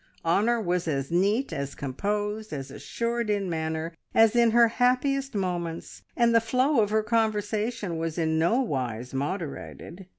Honor was as neat, as composed, as assured in manner as in her happiest moments, and the flow of her conversation was in no wise moderated.